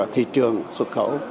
thị trường xuất khẩu